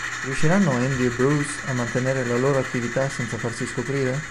Riusciranno Andy e Bruce a mantenere la loro attività senza farsi scoprire?